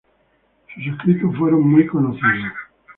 Sus escritos fueron muy conocidos.